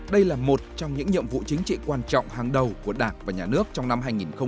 đây là một trong những nhiệm vụ chính trị quan trọng hàng đầu của đảng và nhà nước trong năm hai nghìn một mươi chín